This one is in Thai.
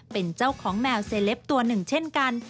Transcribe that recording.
เป็นเจ้าของแมวเซลปตัวหนึ่งเช่นกัน